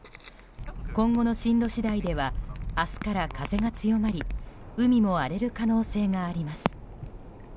今後の進路次第では明日から風が強まり海も荒れる可能性があります。